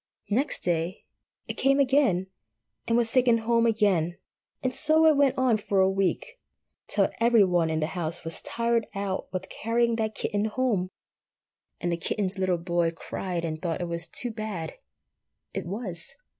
Next day it came again, and was taken home again. And so it went on for a week, till every one in the house was tired out with carrying that kitten home, and the kitten's little boy cried and thought it was too bad. It was.